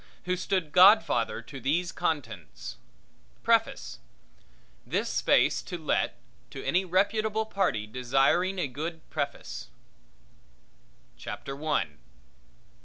Who stood godfather to these contents Preface This Space To Let to Any Reputable Party Desiring a Good Preface Contents I.